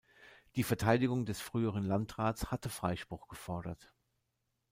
Die Verteidigung des früheren Landrats hatte Freispruch gefordert.